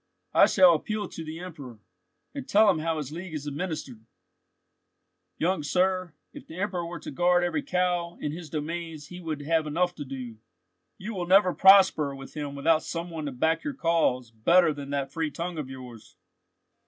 "I shall appeal to the Emperor, and tell him how his League is administered." "Young sir, if the Emperor were to guard every cow in his domains he would have enough to do. You will never prosper with him without some one to back your cause better than that free tongue of yours.